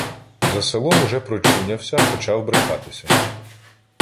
За селом уже прочунявся, почав брикатися.